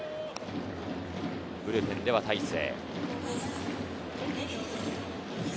ブルペンでは大勢。